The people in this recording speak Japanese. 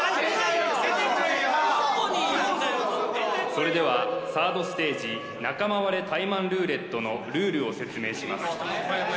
それではサードステージ仲間割れタイマンルーレットのルールを説明します